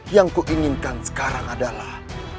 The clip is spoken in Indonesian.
yang ku inginkan sekarang adalah